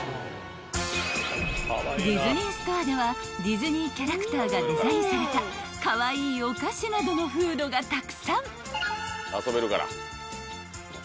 ［ディズニーストアではディズニーキャラクターがデザインされたカワイイお菓子などのフードがたくさん］